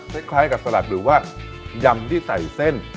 คล้ายกับสลัดหรือว่ายำที่ใส่เส้น